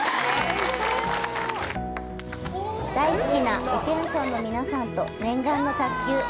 大好きな宇検村の皆さんと念願の卓球。